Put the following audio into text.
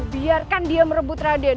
biarkan dia merebut raden